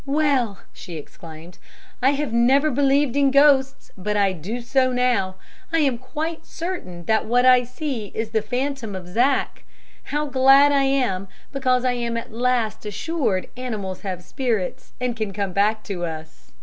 'Well!' she exclaimed, 'I have never believed in ghosts, but I do so now. I am quite certain that what I see is the phantom of Zack! How glad I am, because I am at last assured animals have spirits and can come back to us.'"